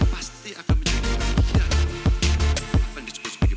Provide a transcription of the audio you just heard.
pasti akan menjadi